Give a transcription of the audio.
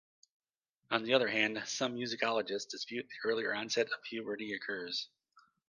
On the other hand, some musicologists dispute that earlier onset of puberty occurs.